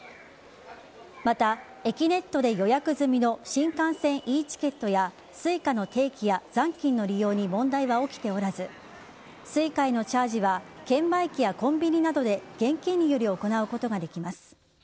また、えきねっとで予約済みの新幹線ｅチケットやＳｕｉｃａの定期や残金の利用に問題は起きておらずＳｕｉｃａへのチャージは券売機やコンビニなどで現金により行うことができます。